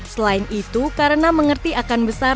selain itu karena mengerti akan besar